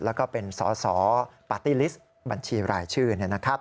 แล้วก็เป็นสอสอปาร์ตี้ลิสต์บัญชีรายชื่อ